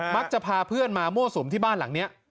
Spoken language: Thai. มักจะพาเพื่อนมามั่วสุมที่บ้านหลังเนี่ย